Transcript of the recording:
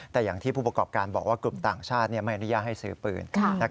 แต่อย่างที่ผู้ประกอบการบอกว่ากลุ่มต่างชาติไม่อนุญาตให้ซื้อปืน